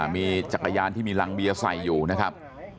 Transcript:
มีจักรยานที่มีรังเบียร์ใส่อยู่นะครับ